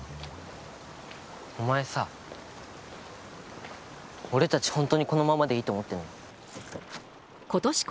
お前さ、俺たち本当にこのままでいいと思ってるの？